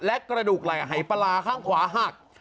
และกระดูกไหล่หายปลาร้าข้างขวาหัก